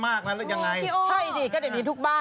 อากาศรู้แต่ทัยนี้ร้อน